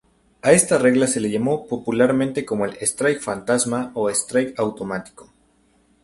A esta regla se le llamó popularmente como el 'strike fantasma' o 'strike automático'.